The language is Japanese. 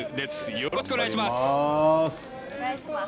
よろしくお願いします。